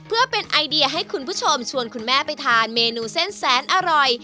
เพื่อเป็นไอเดียให้คุณผู้ชมชวนคุณแม่ไปทานเมนูเส้นแสนอร่อย